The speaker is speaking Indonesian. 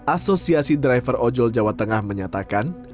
asosiasi driver ojol jawa tengah menyatakan